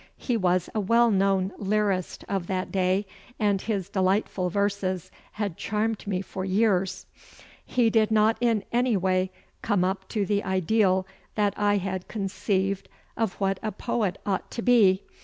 He was a well known lyrist of that day and his delightful verses had charmed me for years. He did not in any way come up to the ideal that I had conceived of what a poet ought to be.